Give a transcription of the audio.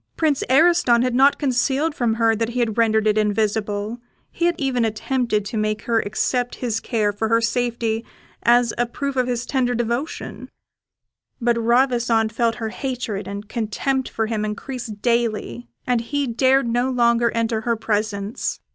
Prince Ariston had not concealed from her that he had rendered it invisible; he had even attempted to make her accept this care for her safety as a proof of his tender devotion; but Ravissante felt her hatred and contempt for him increase daily, and he dared no longer enter her presence.